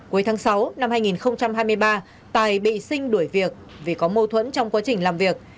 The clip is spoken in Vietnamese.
cuối tháng sáu năm hai nghìn hai mươi ba tài bị sinh đuổi việc vì có mâu thuẫn trong quá trình làm việc